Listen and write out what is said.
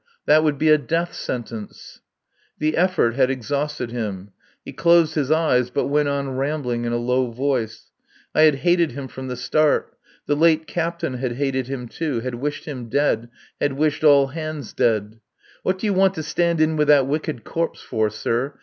That would be a death sentence. The effort had exhausted him. He closed his eyes, but went on rambling in a low voice. I had hated him from the start. The late captain had hated him, too. Had wished him dead. Had wished all hands dead. ... "What do you want to stand in with that wicked corpse for, sir?